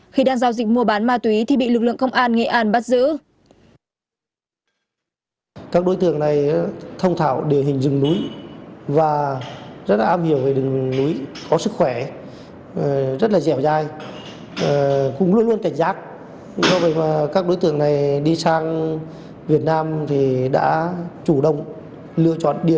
khi đang giao dịch mua bán ma túy thì bị lực lượng công an nghệ an bắt giữ